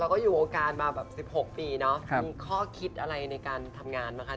มีข้อคิดอะไรในการทำงานนะคะ